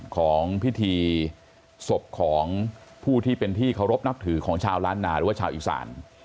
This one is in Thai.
ของพิธีศพของผู้ที่เป็นที่เคารพนับถือของชาวล้านนาหรือว่าชาวอีสาน